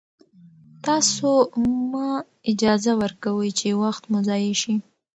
تاسو مه اجازه ورکوئ چې وخت مو ضایع شي.